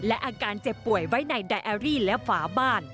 และอาการเจ็บป่วยไว้ในไดอารี่และฝาบ้าน